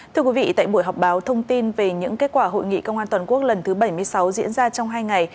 thưa quý vị tại buổi họp báo thông tin về những kết quả hội nghị công an toàn quốc lần thứ bảy mươi sáu diễn ra trong hai ngày